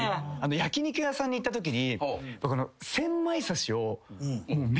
焼き肉屋さんに行ったときに。